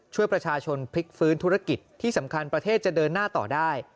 ช่วยประชาชนพลิกฟื้นธุรกิจที่สำคัญประเทศจะเดินหน้าต่อได้